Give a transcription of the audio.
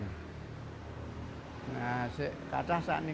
saya menggunakan kata saat ini